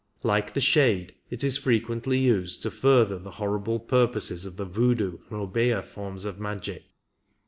Like the shade, it is fre quently used to further the horrible purposes of the Voodoo and Obeah forms of magic.